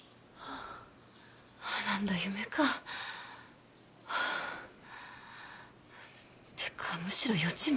あ何だ夢かはあてかむしろ予知夢？